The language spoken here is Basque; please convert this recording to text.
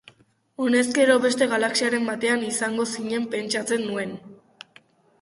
Honezkero beste galaxiaren batean izango zinela pentsatzen nuen.